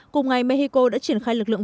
cùng ngày mexico đã triển khai lực lượng